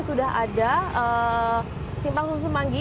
sudah ada simpang susun semanggi